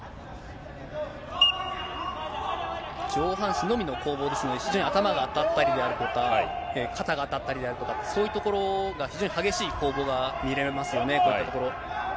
上半身のみの攻防ですので、非常に頭が当たったりであるとか、肩が当たったりであるとか、そういうところが非常に激しい攻防が見れますよね、こういったところ。